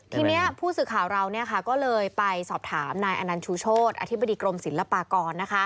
ทีนี้ผู้สื่อข่าวเราก็เลยไปสอบถามนายอนันต์ชูโชธอธิบดีกรมศิลปากร